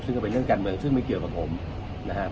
ซึ่งก็เป็นเรื่องการเมืองซึ่งไม่เกี่ยวกับผมนะครับ